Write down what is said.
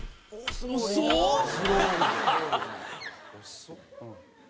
遅っ！